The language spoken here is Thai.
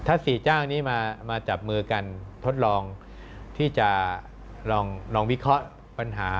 ถ้า๔จ้างนี้มาจับมือกันทดลองที่จะลองวิเคราะห์ปัญหา